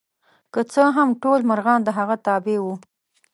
که څه هم ټول مرغان د هغه تابع وو.